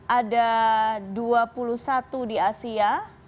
ada dua puluh satu di asia